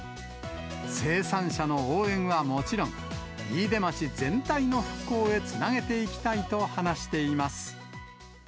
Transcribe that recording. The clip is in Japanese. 生産者の応援はもちろん、飯豊町全体の復興へつなげていきたいと話しています。